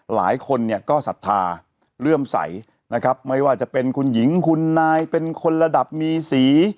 หลายคนเนี่ยก็ศรัทธาเลื่อมใสนะครับไม่ว่าจะเป็นคุณหญิงคุณนายเป็นคนระดับมีสี